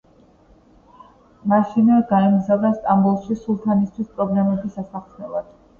მაშინვე გაემგზავრა სტამბოლში სულთნისთვის პრობლემების ასახსნელად.